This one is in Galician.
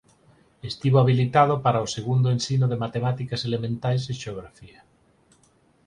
Estivo habilitado para o segundo ensino de Matemáticas elementais e Xeografía.